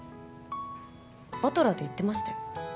「バトラー」で言ってましたよ